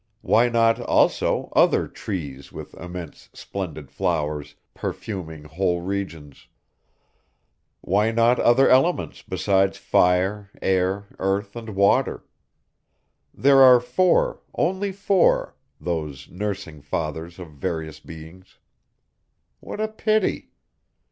Why not, also, other trees with immense, splendid flowers, perfuming whole regions? Why not other elements besides fire, air, earth and water? There are four, only four, those nursing fathers of various beings! What a pity!